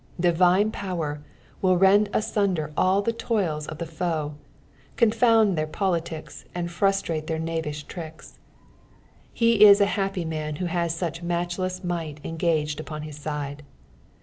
Divine power will rend asunder all the toils of the foe, confound their politics and frustrate their knavish tricks ; lie is H happy man who has such matchless might engaged upon his side.